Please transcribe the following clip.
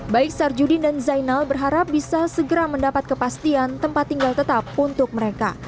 baik sarjudin dan zainal berharap bisa segera mendapat kepastian tempat tinggal tetap untuk mereka